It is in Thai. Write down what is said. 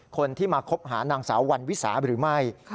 คนที่มาคบหานางสาววันวิสาหรือไม่